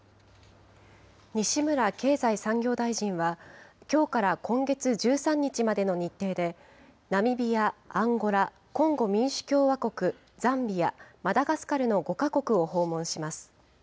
西村経済産業大臣は、きょうから今月１３日までの日程で、ナミビア、アンゴラ、コンゴ民主共和国、ザンビア、マダガスカルの５か国を訪問します。